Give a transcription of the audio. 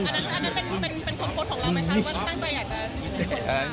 อันนั้นเป็นคนโพสต์ของเราไหมคะหรือว่าตั้งใจอยากจะ